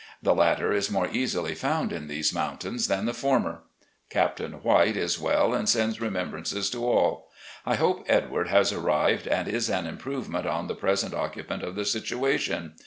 The latter is more easily found in these mountains than the former. Captain 'WHiite is well and sends remembrances to all. I hope Edward has arrived and is an improvement on the present occupant of the situation.